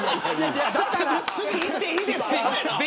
次にいっていいですか。